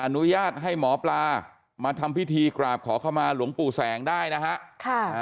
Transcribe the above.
อนุญาตให้หมอปลามาทำพิธีกราบขอเข้ามาหลวงปู่แสงได้นะฮะ